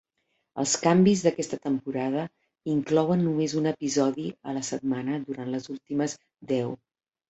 Els canvis d'aquesta temporada inclouen només un episodi a la setmana durant les últimes deu.